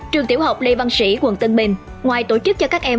trường tiểu học lê văn sĩ quận tân bình ngoài tổ chức cho các em